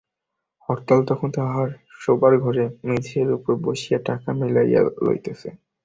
হরলাল তখন তাহার শোবার ঘরে মেজের উপর বসিয়া টাকা মিলাইয়া লইতেছিল।